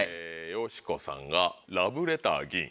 よしこさんがラブレターぎん。